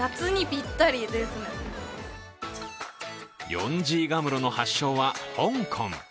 ヨンジーガムロの発祥は香港。